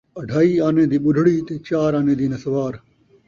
اڈھائی آنے دی ٻڈھڑی تے چار آنے دی نسوار